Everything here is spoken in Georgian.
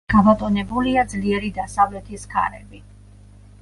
გაბატონებულია ძლიერი დასავლეთის ქარები.